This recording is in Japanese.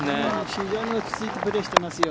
非常に落ち着いてプレーしていますよ。